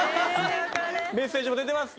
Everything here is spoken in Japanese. メッセージも出てます。